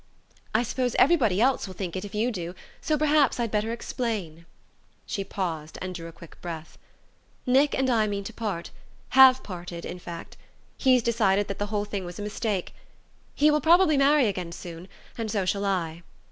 "I suppose everybody else will think it if you do; so perhaps I'd better explain." She paused, and drew a quick breath. "Nick and I mean to part have parted, in fact. He's decided that the whole thing was a mistake. He will probably; marry again soon and so shall I."